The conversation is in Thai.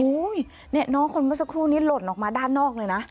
โอ้โฮนี่น้องคนสักครู่นี้หล่นออกมาด้านนอกเลยนะ